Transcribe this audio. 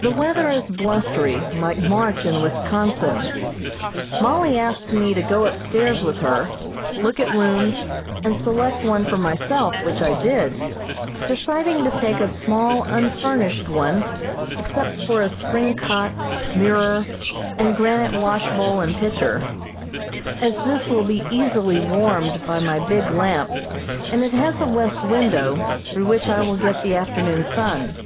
The weather is blustery, like March in Wisconsin. Mollie asked me to go upstairs with her, look at rooms, and select one for myself, which I did, deciding to take a small unfurnished one (except for a spring cot, mirror, and granite wash bowl and pitcher), as this will be easily warmed by my big lamp, and it has a west window, through which I will get the afternoon sun.